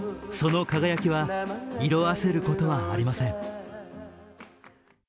その輝きは色あせることはありません。